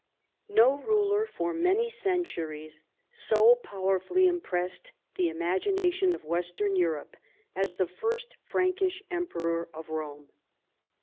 No ruler for many centuries so powerfully im pressed the imagination of western Europe as the first Frankish Emperor of Rome.